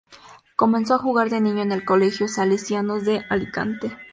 Comenzó a jugar de niño en el colegio Salesianos de Alicante.